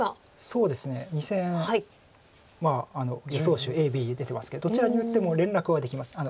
そうですね２線予想手ＡＢ出てますけどどちらに打っても連絡はできます。